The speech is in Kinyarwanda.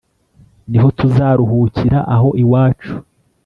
Niho tuzaruhukira aho iwacu